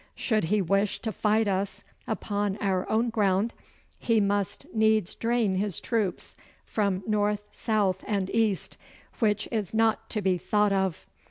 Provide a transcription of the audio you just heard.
Should he wish to fight us upon our own ground, he must needs drain his troops from north, south, and east, which is not to be thought of.